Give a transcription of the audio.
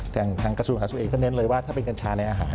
ทางกระทรวมอาสุเองก็เน้นเลยว่าถ้าเป็นกัญชาในอาหาร